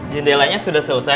tukangnya udah selesai